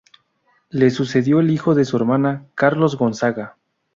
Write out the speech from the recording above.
Le sucedió el hijo de su hermana, Carlos Gonzaga.